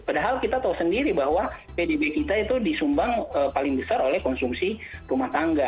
padahal kita tahu sendiri bahwa pdb kita itu disumbang paling besar oleh konsumsi rumah tangga